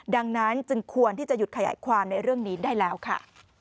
ดังนั้นจึงควรที่จะหยุดขยายความในเรื่องนี้ได้แล้วค่ะ